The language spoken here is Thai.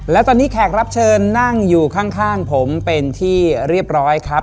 และตอนนี้แขกรับเชิญนั่งอยู่ข้างผมเป็นที่เรียบร้อยครับ